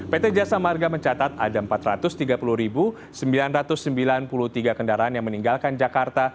pt jasa marga mencatat ada empat ratus tiga puluh sembilan ratus sembilan puluh tiga kendaraan yang meninggalkan jakarta